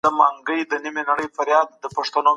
د رنګونو خرڅلاو په بازار کي د چا له خوا کېده؟